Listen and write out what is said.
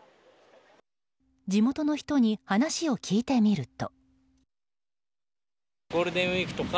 地元の人に話を聞いてみると。